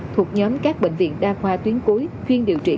thuộc nhóm các bệnh viện đa khoa tuyến cuối chuyên điều trị covid một mươi chín